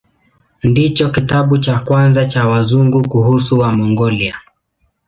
Ndicho kitabu cha kwanza cha Wazungu kuhusu Wamongolia.